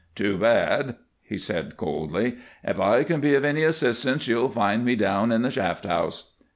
"Too bad," he said, coldly. "If I can be of any assistance you'll find me down at the shaft house."